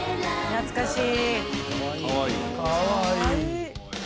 懐かしい。